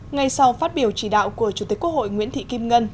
ngay sau phát biểu chỉ đạo của chủ tịch quốc hội nguyễn thị kim ngân